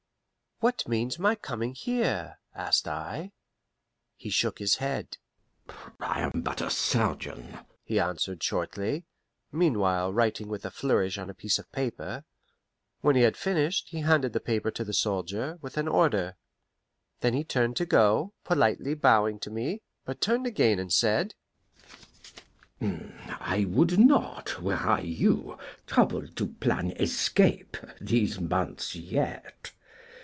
"What means my coming here?" asked I. He shook his head. "I am but a surgeon," he answered shortly, meanwhile writing with a flourish on a piece of paper. When he had finished, he handed the paper to the soldier, with an order. Then he turned to go, politely bowing to me, but turned again and said, "I would not, were I you, trouble to plan escape these months yet.